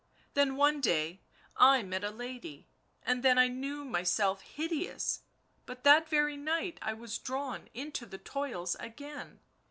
. then one day I met a lady, and then I knew myself hideous, but that very night I was drawn into the toils again